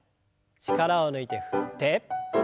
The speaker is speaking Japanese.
力を抜いて振って。